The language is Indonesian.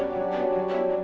dia sangat peduli